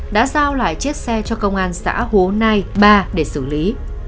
đã giao lại chiếc xe cho công an xã hố nai ba để xử lý